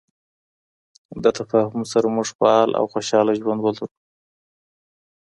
د تفاهم سره، موږ فعال او خوشحاله ژوند ولرو.